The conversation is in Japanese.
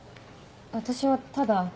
私はただ。